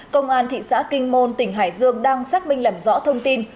công an thị xã kinh môn tỉnh hải dương đang xác minh làm rõ thông tin